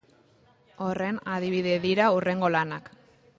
Horren adibide dira hurrengo lanak.